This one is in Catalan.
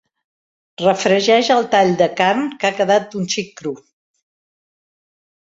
Refregeix el tall de carn, que ha quedat un xic cru.